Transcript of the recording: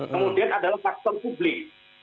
kemudian ada faktor publik